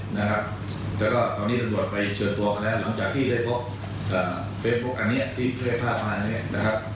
และก็ตอนนี้รัฐบาลไปเจอตัวมาแล้วหลังจากที่ได้พบเป็นพกอันมากไง